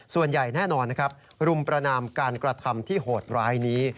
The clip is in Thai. ส่วนใหญ่แน่นอนนะครับรุมประนามการกระทำที่โหดร้ายนี้